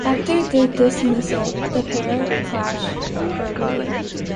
After the dismissal the pair clashed verbally.